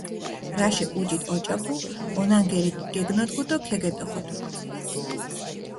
რაში ჸუჯით ოჭოფჷ, ონანგერი გეგნოდგჷ დო ქეგედოხოდჷ.